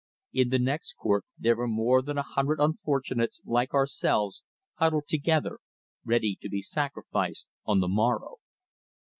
In the next court there were more than a hundred unfortunates like ourselves huddled together, ready to be sacrificed on the morrow.